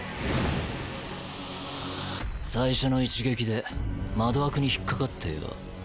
最初の一撃で窓枠に引っかかってよ